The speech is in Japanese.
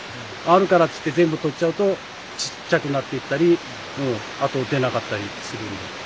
あるからっつって全部取っちゃうとちっちゃくなっていったりもうあと出なかったりするんで。